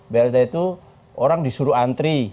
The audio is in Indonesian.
blt itu orang disuruh antri